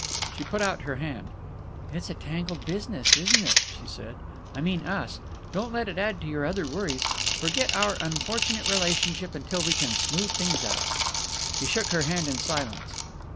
She put out her hand. "It's a tangled business, isn't it?" she said. "I mean us. Don't let it add to your other worries. Forget our unfortunate relationship until we can smooth things out." He shook her hand in silence.